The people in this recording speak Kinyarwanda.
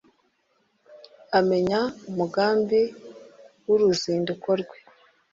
Amenya umugambi w’uruzindiko rwe,